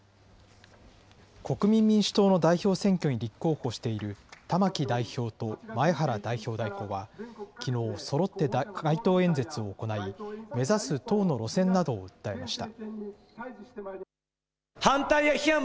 国民民主党の代表選挙に立候補している玉木代表と、前原代表代行はきのう、そろって街頭演説を行い、目指す党の路線などを訴えました。